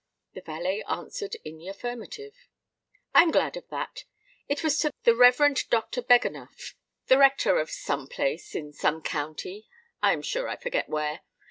The valet answered in the affirmative. "I am glad of that. It was to the Reverend Dr. Beganuph—the rector of some place in some county—I am sure I forget where.